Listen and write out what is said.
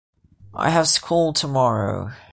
I have school tomorrow.